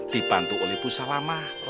dibantu oleh pusat lama